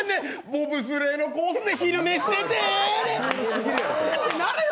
ボブスレーのコースで昼寝してて。